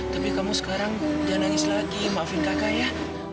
tapi kamu sekarang dia nangis lagi maafin kakak ya